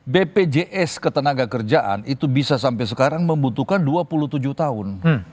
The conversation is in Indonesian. b p j s ketenaga kerjaan itu bisa sampai sekarang membutuhkan dua puluh tujuh tahun